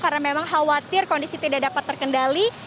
karena memang khawatir kondisi tidak dapat terkendali